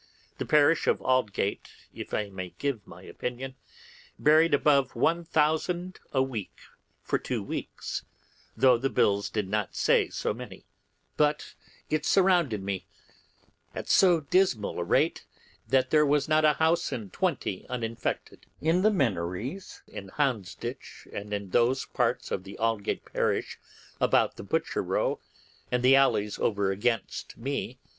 The parish of Aldgate, if I may give my opinion, buried above a thousand a week for two weeks, though the bills did not say so many;—but it surrounded me at so dismal a rate that there was not a house in twenty uninfected in the Minories, in Houndsditch, and in those parts of Aldgate parish about the Butcher Row and the alleys over against me.